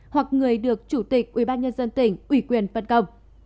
hoặc người được chủ tịch ubnd tỉnh ủy quyền phân công